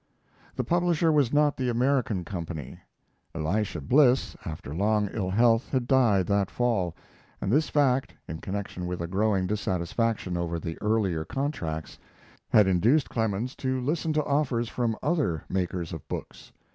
The publisher was not the American Company. Elisha Bliss, after long ill health, had died that fall, and this fact, in connection with a growing dissatisfaction over the earlier contracts, had induced Clemens to listen to offers from other makers of books.